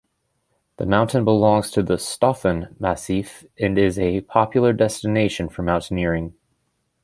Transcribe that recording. The mountain belongs to the "Staufen" massif and is a popular destination for mountaineering.